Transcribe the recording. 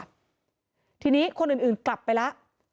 ทีนี้คนอื่นกลับไปแล้ว